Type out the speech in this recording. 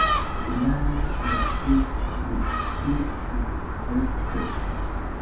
Wilaya ni Corse-du-Sud na Haute-Corse.